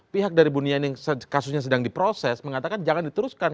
pihak dari buniani yang kasusnya sedang diproses mengatakan jangan diteruskan